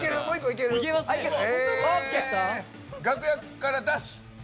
「楽屋からダッシュ」。